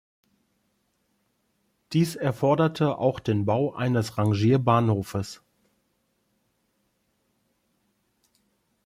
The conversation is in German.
Dies erforderte auch den Bau eines Rangierbahnhofes.